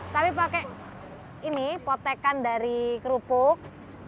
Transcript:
kami pakai ini potekan dari kerupuk